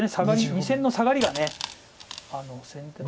２線のサガリが先手で。